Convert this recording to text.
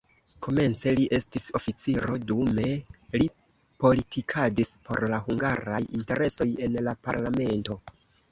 Komence li estis oficiro, dume li politikadis por la hungaraj interesoj en la parlamento.